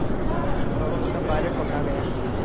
اس کا پائلٹ پکڑا گیا۔